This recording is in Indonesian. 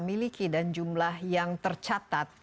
miliki dan jumlah yang tercatat